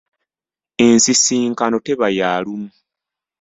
Ensisinkano teba ya lumu.